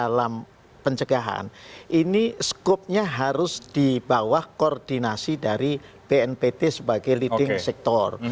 nah kalau kita bicara misalnya di dalam pencegahan ini skopnya harus di bawah koordinasi dari bnpt sebagai leading sector